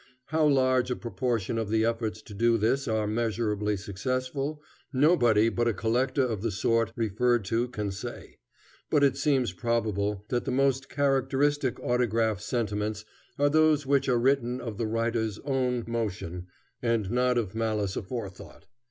How large a proportion of the efforts to do this are measurably successful, nobody but a collector of the sort referred to can say; but it seems probable that the most characteristic autograph "sentiments" are those which are written of the writer's own motion and not of malice aforethought.